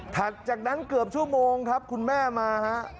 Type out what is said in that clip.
จากนั้นเกือบชั่วโมงครับคุณแม่มาฮะ